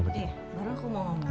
baru aku mau ngomong